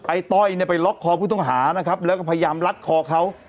ต้อยเนี่ยไปล็อกคอผู้ต้องหานะครับแล้วก็พยายามลัดคอเขา